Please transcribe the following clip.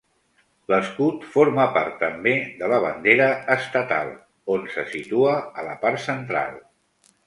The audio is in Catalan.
L'escut forma part també de la bandera estatal, on se situa a la part central.